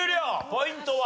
ポイントは？